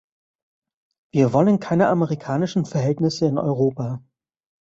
Wir wollen keine amerikanischen Verhältnisse in Europa.